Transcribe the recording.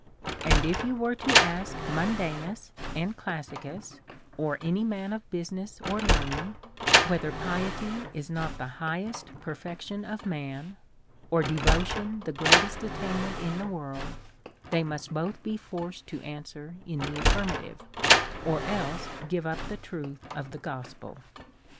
And if you was to ask Mundanus and Classicus, or any man of business or learning, whether piety is not the highest perfection of man, or devotion the great est attainment in the world, they must both be forced to answer in the affirmative, or else give up the truth of the gospel.